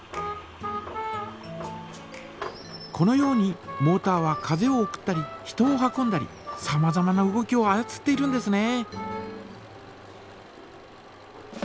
このようにモータは風を送ったり人を運んだりさまざまな動きをあやつっているんですね。